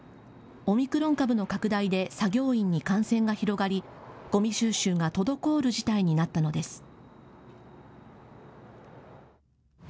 オミクロン株の拡大で作業員に感染が広がりごみ収集が滞る事態になったのです。